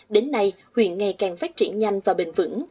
đến nay huyện ngày càng phát triển nhanh và bền vững